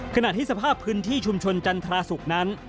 ขณะที่สภาพพื้นที่ชุมชนจันทราศุกร์นั้น